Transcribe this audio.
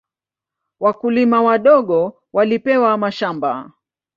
Wakulima wadogo walipewa mashamba.